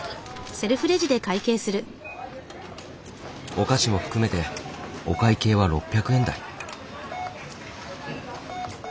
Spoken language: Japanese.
お菓子も含めてお会計は６００円台。